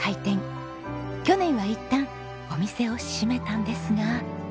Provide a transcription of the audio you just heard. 去年はいったんお店を閉めたんですが。